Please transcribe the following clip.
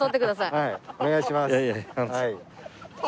はいお願いします。